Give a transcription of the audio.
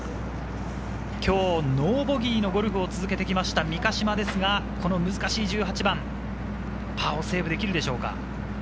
今日、ノーボギーのゴルフを続けてきました三ヶ島ですが、難しい１８番、パーをセーブできるでしょうか。